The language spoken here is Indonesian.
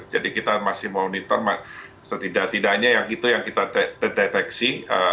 jadi kita masih memonitor setidaknya yang itu yang kita deteksi